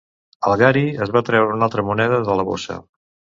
El Gary es va treure una altra moneda de la bossa.